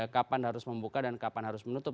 kapan harus membuka dan kapan harus menutup